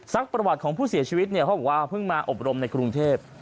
ประวัติของผู้เสียชีวิตเนี่ยเขาบอกว่าเพิ่งมาอบรมในกรุงเทพ